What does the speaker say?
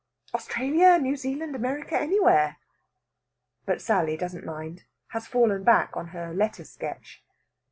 "Australia New Zealand America anywhere!" But Sally doesn't mind has fallen back on her letter sketch.